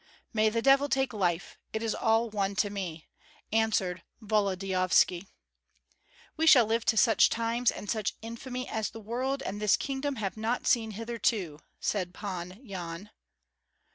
"May the devil take life! it is all one to me!" answered Volodyovski. "We shall live to such times and such infamy as the world and this kingdom have not seen hitherto!" said Pan Yan.